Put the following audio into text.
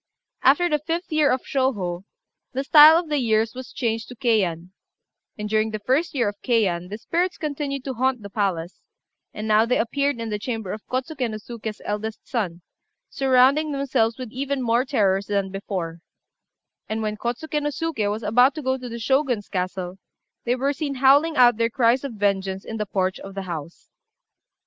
After the 5th year of Shôhô, the style of the years was changed to Keian; and during the 1st year of Keian the spirits continued to haunt the palace; and now they appeared in the chamber of Kôtsuké no Suké's eldest son, surrounding themselves with even more terrors than before; and when Kôtsuké no Suké was about to go to the Shogun's castle, they were seen howling out their cries of vengeance in the porch of the house.